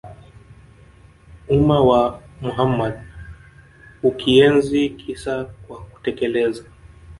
umma wa Muhammad Hukienzi kisa kwa kutekeleza